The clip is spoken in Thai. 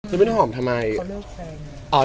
จะเป็นหอมทำไมเนี่ยเขาเลิกแกให้